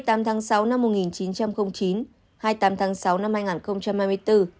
hai mươi tám tháng sáu năm một nghìn chín trăm linh chín hai mươi tám tháng sáu năm hai nghìn hai mươi bốn